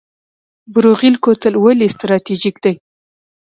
بروغیل کوتل ولې استراتیژیک دی؟